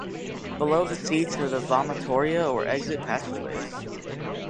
Below the seats are the vomitoria or exit passage ways.